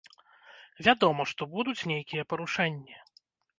Вядома, што будуць нейкія парушэнні.